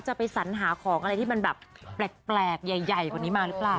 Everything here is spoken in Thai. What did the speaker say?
ไปสัญหาของอะไรที่มันแบบแปลกใหญ่กว่านี้มาหรือเปล่า